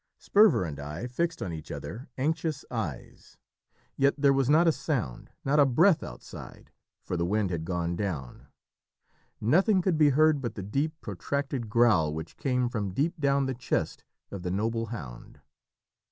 Sperver and I fixed on each other anxious eyes; yet there was not a sound, not a breath outside, for the wind had gone down; nothing could be heard but the deep protracted growl which came from deep down the chest of the noble hound.